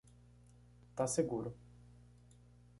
Tá seguro.